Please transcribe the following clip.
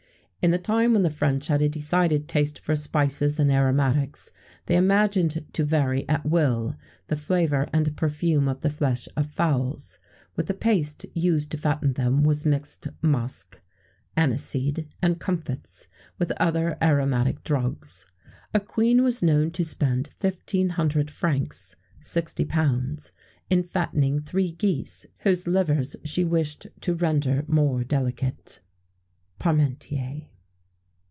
"In the time when the French had a decided taste for spices and aromatics, they imagined to vary at will the flavour and perfume of the flesh of fowls. With the paste used to fatten them was mixed musk, anise seed, and comfits, with other aromatic drugs. A Queen was known to spend 1,500 francs (£60) in fattening three geese, whose livers she wished to render more delicate." PARMENTIER.